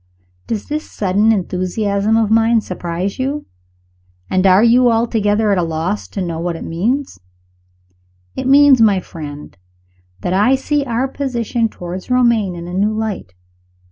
Does this sudden enthusiasm of mine surprise you? And are you altogether at a loss to know what it means? It means, my friend, that I see our position toward Romayne in a new light.